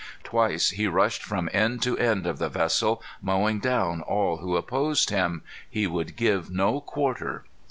Twice he rushed from end to end of the vessel, mowing down all who opposed him. He would give no quarter.